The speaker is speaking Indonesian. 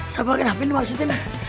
sabar kenapa ini mas siti